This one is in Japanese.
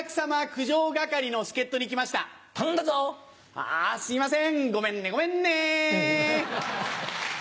あすいませんごめんねごめんね！